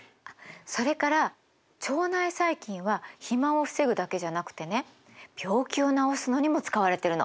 それから腸内細菌は肥満を防ぐだけじゃなくてね病気を治すのにも使われてるの。